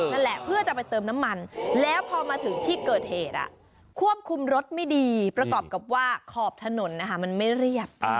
นั่นแหละเพื่อจะไปเติมน้ำมันแล้วพอมาถึงที่เกิดเหตุควบคุมรถไม่ดีประกอบกับว่าขอบถนนมันไม่เรียบ